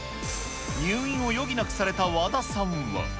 入院を余儀なくされた和田さんは。